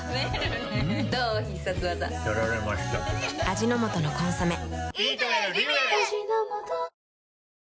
味の素の「コンソメ」